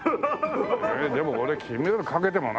ええでも俺金メダルかけてもな。